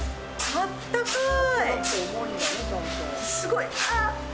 あったかい。